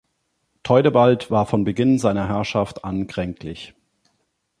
Theudebald war von Beginn seiner Herrschaft an kränklich.